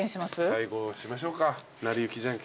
最後しましょうか。